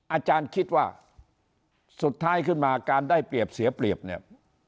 อาจารย์คิดว่าสุดท้ายขึ้นมาการได้เปรียบเสียเปรียบเนี่ย